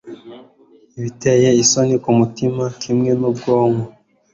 Biteye isoni kumutima kimwe nubwonko